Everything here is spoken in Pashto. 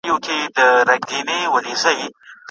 د ساړه ژمي شپې ظالمي توري